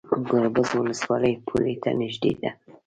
ګربز ولسوالۍ پولې ته نږدې ده؟